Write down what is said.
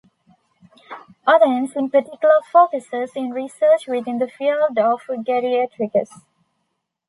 Odense in particular focuses on research within the field of geriatrics.